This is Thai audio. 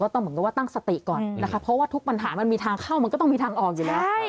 ต้องเหมือนกับว่าตั้งสติก่อนนะคะเพราะว่าทุกปัญหามันมีทางเข้ามันก็ต้องมีทางออกอยู่แล้ว